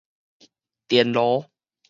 電爐